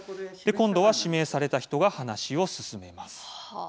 今度は指名された人が話を進めます。